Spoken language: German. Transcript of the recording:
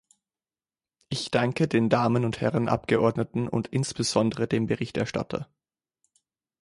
Ich danke den Damen und Herren Abgeordneten und insbesondere dem Berichterstatter.